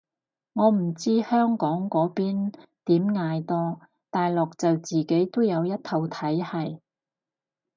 我唔知香港嗰邊點嗌多，大陸就自己都有一套體係